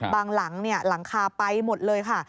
หลังหลังคาไปหมดเลยค่ะ